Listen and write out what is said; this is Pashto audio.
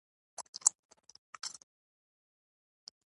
مالداري د کورنیو عاید زیاتوي.